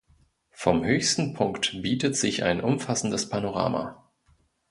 Vom höchsten Punkt bietet sich ein umfassendes Panorama.